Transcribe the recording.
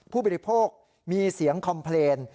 ผู้บริโภคมีเสียงคอมเพลน